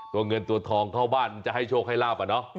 ตัวเงินตัวทองเข้าบ้านจะให้โชคให้ลาบ